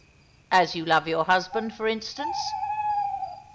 " As you love your husband, for instance."